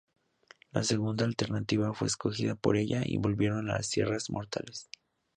La segunda alternativa fue escogida por ella y volvieron a las tierras mortales.